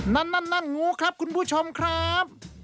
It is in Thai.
นั่นนั่นงูครับคุณผู้ชมครับ